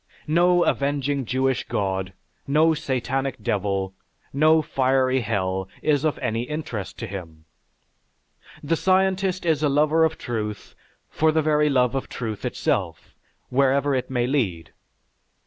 No avenging Jewish God, no satanic devil, no fiery hell is of any interest to him. The scientist is a lover of truth for the very love of truth itself, wherever it may lead.